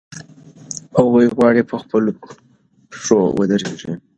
هغوی غواړي په خپلو پښو ودرېږي.